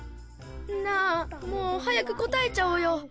なあもう早く答えちゃおうよ。